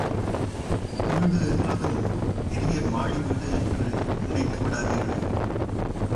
வீடு என்றதும், பெரிய மாடி வீடு என்று நினைத்து விடாதீர்கள்.